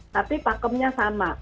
tapi pakemnya sama